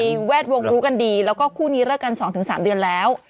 แวดวงรู้กันดีแล้วก็คู่นี้เลิกกัน๒๓เดือนแล้ว